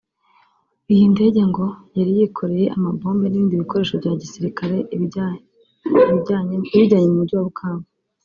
Iyi ndege ngo yari yikoreye amabombe n’ ibindi bikoresho bya gisirikare ibijyanye mu mugi wa Bukavu